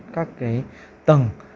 các cái tầng